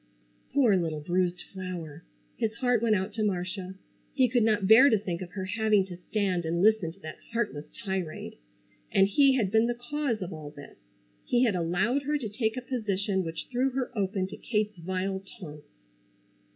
Poor little bruised flower! His heart went out to Marcia. He could not bear to think of her having to stand and listen to that heartless tirade. And he had been the cause of all this. He had allowed her to take a position which threw her open to Kate's vile taunts.